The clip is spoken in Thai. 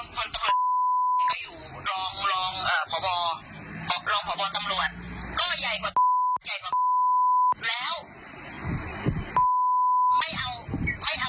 เขาเปลี่ยนกันขึ้นพอพอตำลวจเขาใจไหม